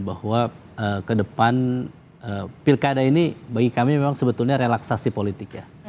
bahwa ke depan pilkada ini bagi kami memang sebetulnya relaksasi politik ya